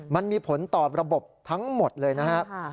มันมีผลต่อระบบทั้งหมดเลยนะครับ